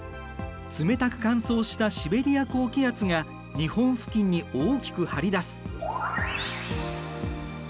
冷たく乾燥したシベリア高気圧が日本付近に大きく張り出す。